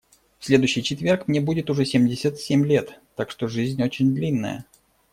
В следующий четверг мне будет уже семьдесят семь лет, так что жизнь очень длинная.